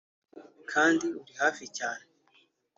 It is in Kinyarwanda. kandi uri hafi cyane